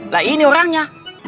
lah ini orangnya